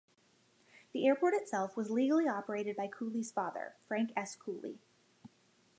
The airport itself was legally operated by Cooley's father, Frank S. Cooley.